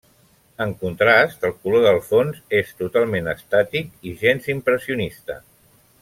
En contrast, el color del fons és totalment estàtic i gens impressionista.